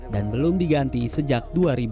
dan belum diganti sejak dua ribu lima belas